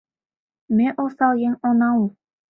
Ме осал еҥ она ул.